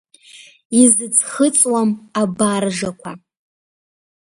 Изыӡхыҵуам абаржақәа.